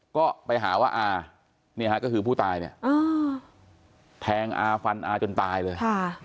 ก็ไปหาว่าอาเนี่ยฮะก็คือผู้ตายเนี่ยแทงอาฟันอาจนตายเลย